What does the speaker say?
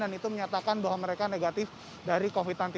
dan itu menyatakan bahwa mereka negatif dari covid sembilan belas